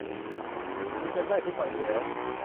มีกันได้ทุกวันอยู่แล้ว